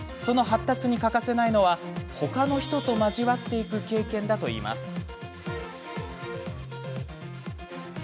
その発達に欠かせないのはほかの人と交わっていく経験だといいます。